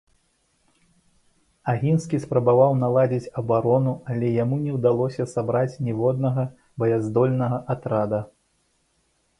Агінскі спрабаваў наладзіць абарону, але яму не ўдалося сабраць ніводнага баяздольнага атрада.